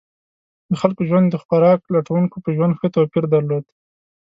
د خلکو ژوند د خوراک لټونکو په ژوند ښه توپیر درلود.